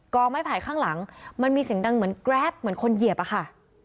ไม้ไผ่ข้างหลังมันมีเสียงดังเหมือนแกรปเหมือนคนเหยียบอะค่ะ